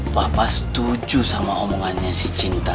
papa setuju sama omongannya si cinta